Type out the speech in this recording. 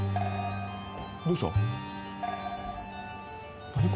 どうしたん？